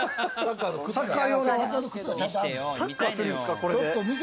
サッカーするんすか？